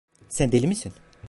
Sen deli misin?